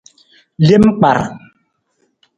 Lem kpar.